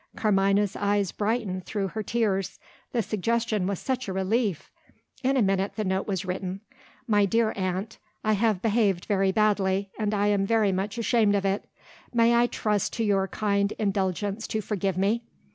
Carmina's eyes brightened through her tears, the suggestion was such a relief! In a minute the note was written: "My dear Aunt, I have behaved very badly, and I am very much ashamed of it. May I trust to your kind indulgence to forgive me?